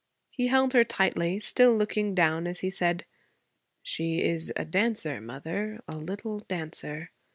He held her tightly, still looking down as he said, 'She is a dancer, mother, a little dancer.